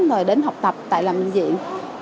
rồi đến học tập tại làm viện